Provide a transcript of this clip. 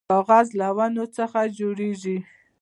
کاغذ له ونو څخه جوړیږي